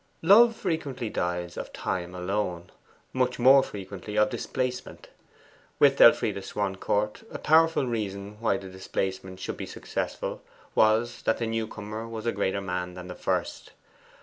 Love frequently dies of time alone much more frequently of displacement. With Elfride Swancourt, a powerful reason why the displacement should be successful was that the new comer was a greater man than the first.